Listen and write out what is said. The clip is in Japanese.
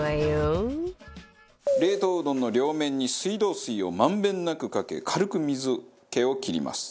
冷凍うどんの両面に水道水を満遍なくかけ軽く水気を切ります。